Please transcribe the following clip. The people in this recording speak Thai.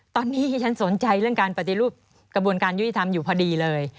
ตอนนี้ที่ฉันสนใจเรื่องการปฏิรูปกระบวนการยุติธรรมอยู่พอดีเลย